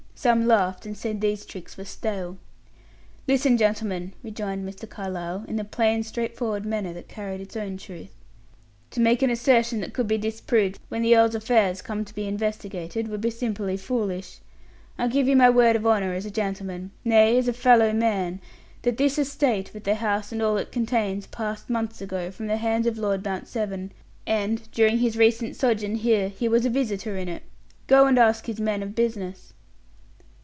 Some laughed, and said these tricks were stale. "Listen, gentlemen," rejoined Mr. Carlyle, in the plain, straightforward manner that carried its own truth. "To make an assertion that could be disproved when the earl's affairs come to be investigated, would be simply foolish. I give you my word of honor as a gentleman nay, as a fellow man that this estate, with the house and all it contains, passed months ago, from the hands of Lord Mount Severn; and, during his recent sojourn here, he was a visitor in it. Go and ask his men of business."